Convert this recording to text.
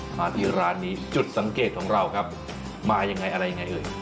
มาที่ร้านนี้จุดสังเกตของเราครับมายังไงอะไรยังไงเอ่ย